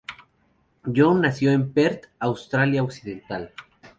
Jon nació en Perth, Australia Occidental.